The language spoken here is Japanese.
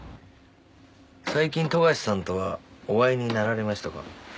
最近富樫さんとはお会いになられましたか？